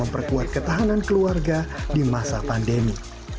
pertumbuhan keluarga di masa pandemi